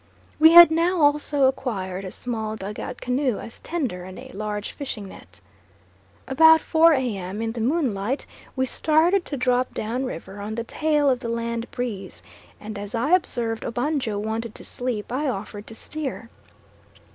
We had now also acquired a small dug out canoe as tender, and a large fishing net. About 4 A.M. in the moonlight we started to drop down river on the tail of the land breeze, and as I observed Obanjo wanted to sleep I offered to steer.